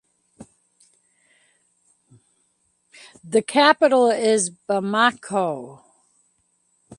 The capital is Bamako.